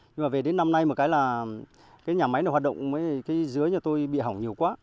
nhưng mà về đến năm nay một cái là cái nhà máy này hoạt động cái dứa nhà tôi bị hỏng nhiều quá